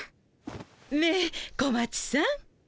ねえ小町さん。